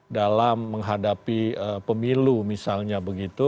dalam menghadapi pemilu misalnya begitu